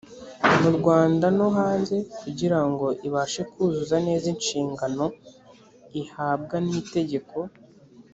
mu rwanda no hanze kugira ngo ibashe kuzuza neza inshingano ihabwa n itegeko